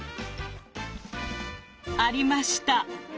ありました！